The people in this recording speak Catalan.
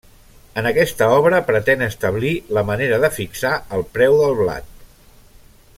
En aquesta obra pretén establir la manera de fixar el preu del blat.